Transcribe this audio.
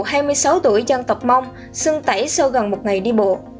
cháu tuổi dân tộc mông xưng tẩy sau gần một ngày đi bộ